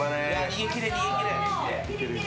逃げ切れ逃げ切れ。